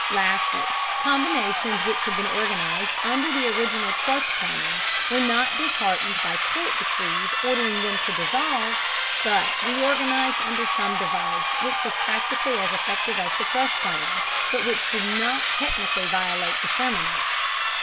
Lastly, combinations which had been organized under the original trust plan were not disheartened by court decrees ordering them to dissolve, but reorganized under some device which was practically as effective as the trust plan, but which did not technically violate the Sherman act.